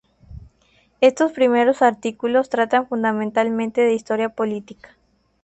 Estos primeros artículos tratan fundamentalmente de historia política.